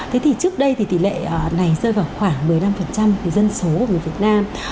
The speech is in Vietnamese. thế thì trước đây thì tỷ lệ này rơi vào khoảng một mươi năm thì dân số của người việt nam